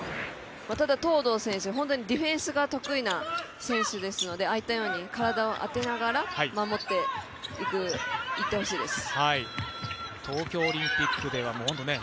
ただ東藤選手、ディフェンスが得意な選手ですので体を当てながら守っていってほしいです。